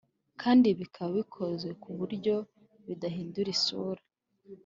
kandi bikaba bikozwe ku buryo bidahindura isura